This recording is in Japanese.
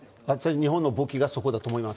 日本の武器がそこだと思います。